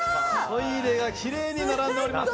トイレがきれいに並んでおります。